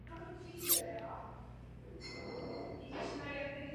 Nejraději jedí tradiční slovenská jídla při posezení doma s rodinou.